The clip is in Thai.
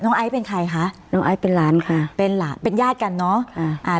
ไอซ์เป็นใครคะน้องไอซ์เป็นหลานค่ะเป็นหลานเป็นญาติกันเนอะอ่าอ่า